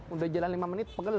udah jalan lima menit pegel